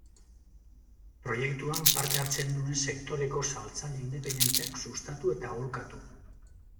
Proiektuan parte hartzen duen sektoreko saltzaile independenteak sustatu eta aholkatu.